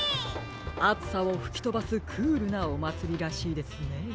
あつさをふきとばすクールなおまつりらしいですね。